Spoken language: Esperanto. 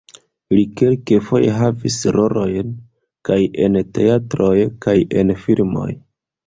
Li kelkfoje havis rolojn kaj en teatroj, kaj en filmoj.